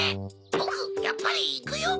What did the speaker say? ぼくやっぱりいくよ。